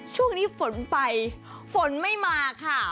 ช่วงนี้ฝนไปฝนไม่มาค่ะ